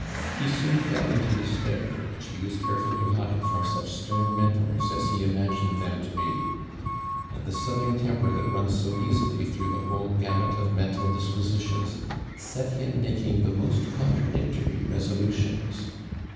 He soon fell into despair, which he was careful to hide from such stern mentors as he imagined them to be; and the Southern temper that runs so easily through the whole gamut of mental dispositions, set him making the most contradictory resolutions.